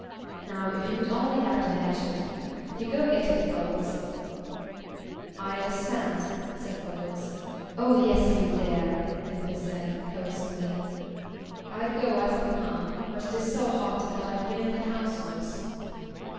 "Now if you could only have the hatchet. You go get it, Bubbles." "I dassent," said Bubbles. "Oh yes, you dare," Dimple said, coaxingly. "I'd go ask mamma, but it is so hot and I've been in the house once."